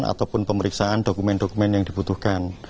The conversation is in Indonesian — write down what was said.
ataupun pemeriksaan dokumen dokumen yang dibutuhkan